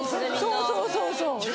そうそうそうそう。